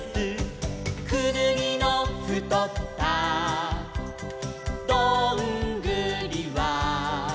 「くぬぎのふとったどんぐりは」